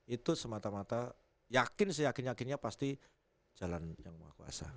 itu semata mata yakin seyakin yakinnya pasti jalan yang maha kuasa